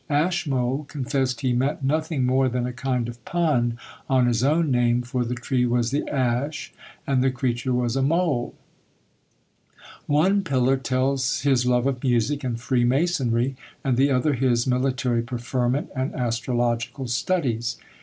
Ashmole confessed he meant nothing more than a kind of pun on his own name, for the tree was the ash, and the creature was a mole. One pillar tells his love of music and freemasonry, and the other his military preferment and astrological studies!